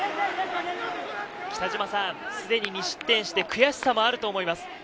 すでに２失点して、悔しさもあると思います。